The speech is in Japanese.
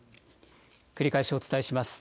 繰り返しお伝えします。